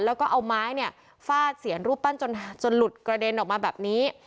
แล้วก็เอาไม้เนี่ยฟาดเสียนรูปปั้นจนหลุดกระเด็นออกมาแบบนี้